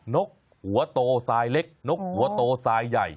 นกหัวโตทรายเล็กนกหัวโตทรายใหญ่